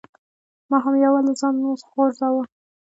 ما هم یو یو له ځانه غورځاوه.